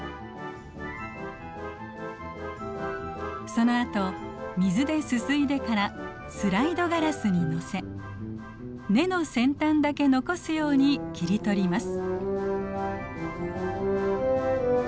そのあと水ですすいでからスライドガラスにのせ根の先端だけ残すように切り取ります。